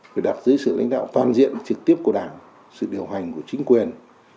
phải đặt dưới sự lãnh đạo toàn diện trực tiếp của đảng sự điều hành của chính quyền